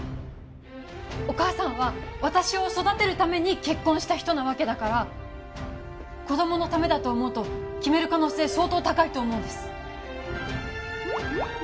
お母さんは私を育てるために結婚した人なわけだから子供のためだと思うと決める可能性相当高いと思うんです・